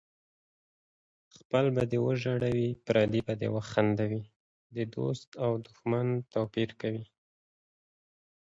خپل به دې وژړوي پردی به دې وخندوي د دوست او دښمن توپیر کوي